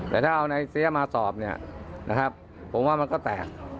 แต่ถ้าเอานายเซี๊ยมาสอบผมว่ามันก็แตก